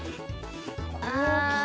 ああ。